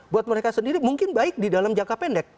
buat mereka sendiri mungkin baik di dalam jangka pendek